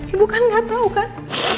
ibu kan nggak tahu kan